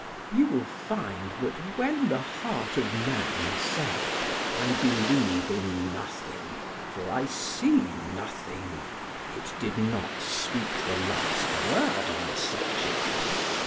You will find that when the heart of man said: "I believe in nothing, for I see nothing," it did not speak the last word on the subject.